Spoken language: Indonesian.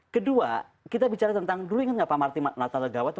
kedua kita bicara tentang dulu inget gak pak martin latta legawa tuh